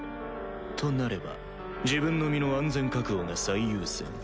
となれば自分の身の安全確保が最優先